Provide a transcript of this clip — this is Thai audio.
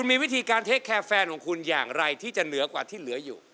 มีเป็นอย่างไรที่จะเนื้อกว่าที่เหลืออยู่